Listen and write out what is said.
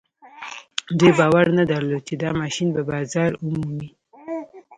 دوی باور نه درلود چې دا ماشين به بازار ومومي.